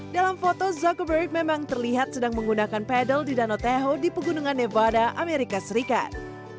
dalam foto zuckerberg memang terlihat sedang menggunakan pedel di danau teho di pegunungan nevada amerika serikat